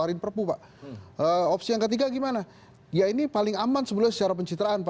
ya ini paling aman secara pencitraan